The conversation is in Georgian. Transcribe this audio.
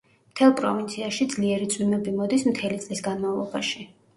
მთელ პროვინციაში ძლიერი წვიმები მოდის მთელი წლის განმავლობაში.